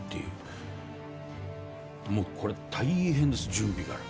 もう、これ大変です、準備から。